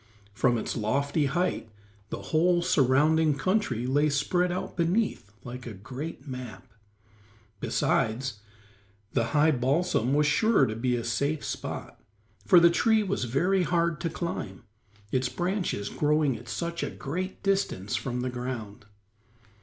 From its lofty height the whole surrounding country lay spread out beneath like a great map. Besides, the high balsam was sure to be a safe spot, for the tree was very hard to climb, its branches growing at such a great distance from the ground.